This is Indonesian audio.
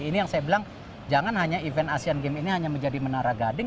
ini yang saya bilang jangan hanya event asean games ini hanya menjadi menara gading